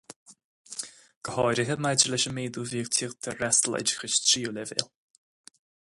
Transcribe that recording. Go háirithe maidir leis an méadú a bhí ag teacht ar fhreastal oideachais tríú leibhéal.